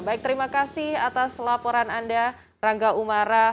baik terima kasih atas laporan anda rangga umara